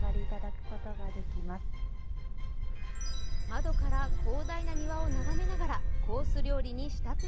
窓から広大な庭を眺めながらコース料理に舌鼓。